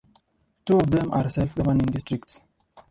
Two of them are self-governing districts.